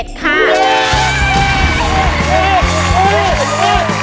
กินไปเดี๋ยว